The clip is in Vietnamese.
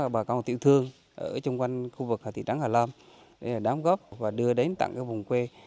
bà con tiểu thương ở chung quanh khu vực thị trấn hà lam đám góp và đưa đến tặng vùng quê